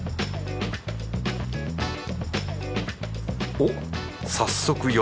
おっ早速よ